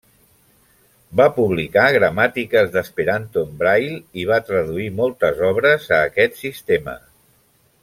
Va publicar gramàtiques d'esperanto en braille i va traduir moltes obres a aquest sistema.